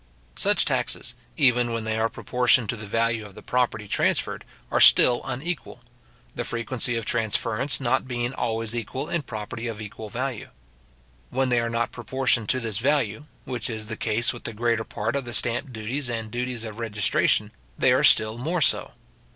Such taxes, even when they are proportioned to the value of the property transferred, are still unequal; the frequency of transference not being always equal in property of equal value. When they are not proportioned to this value, which is the case with the greater part of the stamp duties and duties of registration, they are still more so.